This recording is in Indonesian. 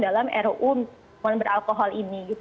apa yang diperlukan dalam ruu